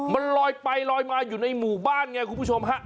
มันลอยไปลอยมาอยู่ในหมู่บ้านไงคุณผู้ชมฮะ